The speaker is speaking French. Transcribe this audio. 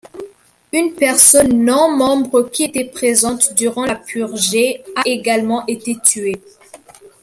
Une personne non-membre qui était présente durant la purgé a également été tuée.